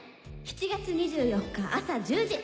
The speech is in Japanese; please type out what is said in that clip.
７月２４日朝１０時。